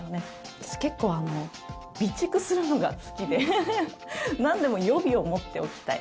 私、結構備蓄するのが好きでなんでも予備を持っておきたい。